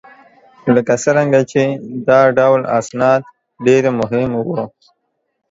لکه څرنګه چې دا ډول اسناد ډېر مهم وه